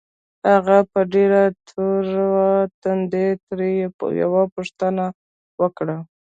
هغه په ډېر تروه تندي ترې يوه پوښتنه وکړه.